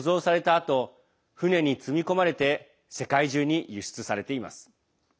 あと船に積み込まれて世界中に輸出されています。